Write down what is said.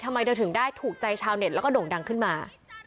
จะถึงได้ถูกใจชาวเน็ตแล้วก็โด่งดังขึ้นมา